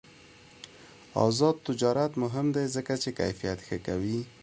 آزاد تجارت مهم دی ځکه چې کیفیت ښه کوي.